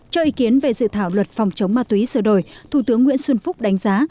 cho ý kiến về dự thảo luật phòng chống ma túy sửa đổi thủ tướng nguyễn xuân phúc đánh giá